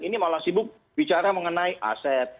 ini malah sibuk bicara mengenai aset